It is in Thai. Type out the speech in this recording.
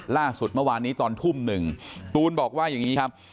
ล่าสุดเมื่อวานนี้ตอนทุ่มหนึ่งตูนบอกว่าอย่างนี้ครับ